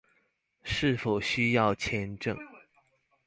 是否需要簽證